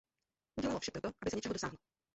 Udělalo vše pro to, aby se něčeho dosáhlo.